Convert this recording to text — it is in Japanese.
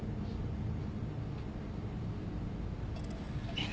えっ？